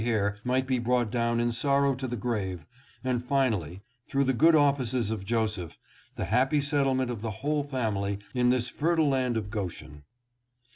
709 hair might be brought down in sorrow to the grave, and finally, through the good offices of Joseph, the happy settlement of the whole family in this fertile land of Goshen.